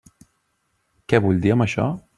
Què vull dir amb això?